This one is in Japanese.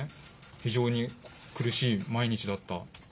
非常に苦しい毎日だった。